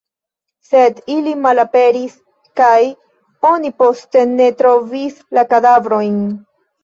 Sed ili malaperis kaj oni poste ne trovis la kadavrojn.